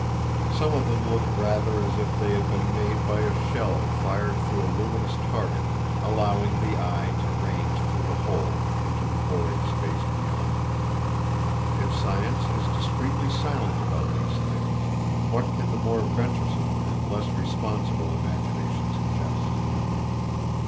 Some of them look rather as if they had been made by a shell fired through a luminous target, allowing the eye to range through the hole into the void space beyond. If science is discretely silent about these things, what can the more venturesome and less responsible imagination suggest?